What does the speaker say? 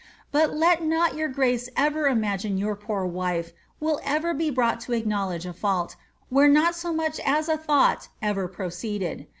But let not ]rour grace erer imagine your poor wife will ever be brought to acknowledge a fault, where not so much as a thought ever proceeded.